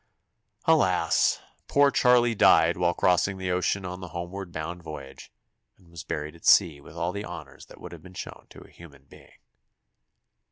Alas! poor Charlie died while crossing the ocean on the homeward bound voyage, and was buried at sea with all the honors that would have been shown to a human being.